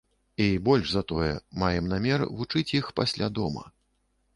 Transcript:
І, больш за тое, маем намер вучыць іх пасля дома.